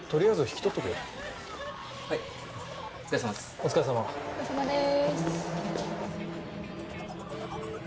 お疲れさまです。